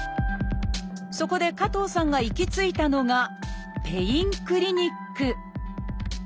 そこで加藤さんが行き着いたのがペインクリニック。